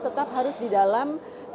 tetap harus di dalam